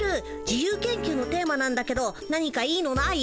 自由研究のテーマなんだけど何かいいのない？